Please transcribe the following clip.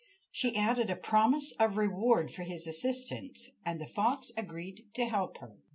She added a promise of reward for his assistance, and the fox agreed to help her.